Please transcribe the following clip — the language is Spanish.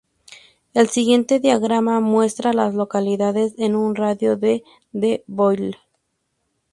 El siguiente diagrama muestra a las localidades en un radio de de Boyle.